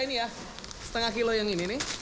ini ya setengah kilo yang ini nih